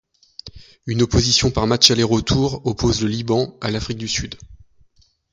Une opposition par match aller retour oppose le Liban à l'Afrique du Sud.